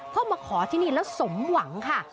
เข้ามาขอที่นี่แล้วสมหวังค่ะ